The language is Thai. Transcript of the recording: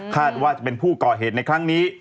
ว่าจะเป็นผู้ก่อเหตุในครั้งนี้